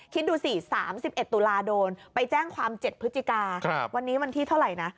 คิดดูสิ๓๑ตุลาโดนไปแจ้งความ๗พฤศจิกาวันนี้วันที่เท่าไหร่นะ